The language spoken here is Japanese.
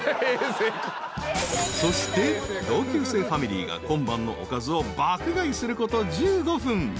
［そして同級生ファミリーが今晩のおかずを爆買いすること１５分］